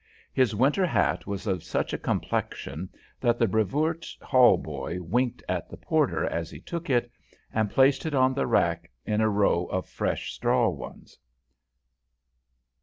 His winter hat was of such a complexion that the Brevoort hall boy winked at the porter as he took it and placed it on the rack in a row of fresh straw ones.